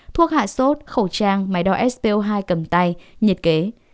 thuốc hạ sốt khẩu trang máy đo sco hai cầm tay nhiệt kế